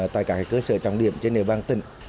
tại các cơ sở trọng điểm trên nền bang tỉnh